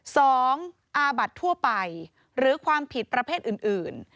สองอาบัติทั่วไปหรือความผิดประเภทอื่น